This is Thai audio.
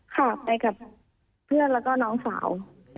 ค่ะไปกับเพื่อนแล้วก็น้องสาว